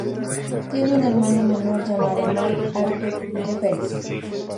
Tiene un hermano menor llamado Marc Arthur Jefferies.